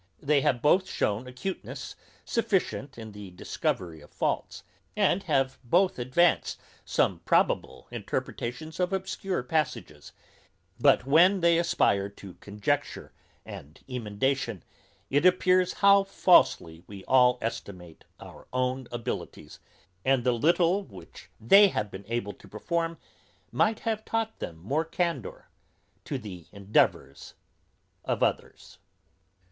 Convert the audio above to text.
They have both shown acuteness sufficient in the discovery of faults, and have both advanced some probable interpretations of obscure passages; but when they aspire to conjecture and emendation, it appears how falsely we all estimate our own abilities, and the little which they have been able to perform might have taught them more candour to the endeavours of others.